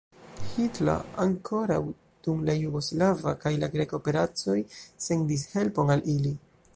Hitler ankoraŭ dum la jugoslava kaj la greka operacoj sendis helpon al ili.